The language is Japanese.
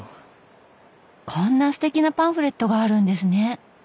こんなすてきなパンフレットがあるんですね。